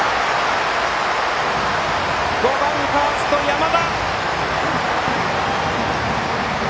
５番ファースト、山田！